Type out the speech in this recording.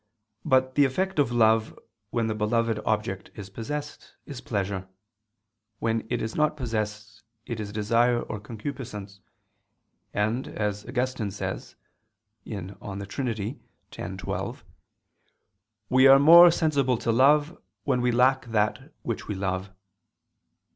But the effect of love, when the beloved object is possessed, is pleasure: when it is not possessed, it is desire or concupiscence: and, as Augustine says (De Trin. x, 12), "we are more sensible to love, when we lack that which we love."